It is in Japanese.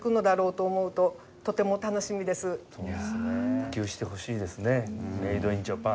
普及してほしいですねメイド・イン・ジャパンね。